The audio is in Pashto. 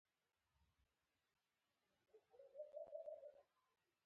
بهتره به دا وي چې دی او ملګري یې بل ځای ته ولېږل شي.